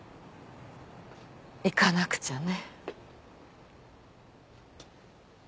行かなくちゃね。